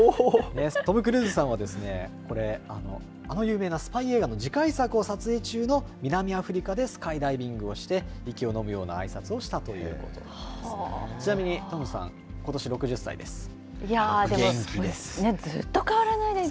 トム・クルーズさんは、これ、あの有名なスパイ映画の次回作を撮影中の南アフリカでスカイダイビングをして、息を飲むようなあいさつをしたということです。